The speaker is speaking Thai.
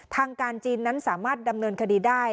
ทางการจีนนั้นสามารถดำเนินคดีได้